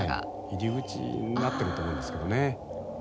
入り口になってると思うんですけどね。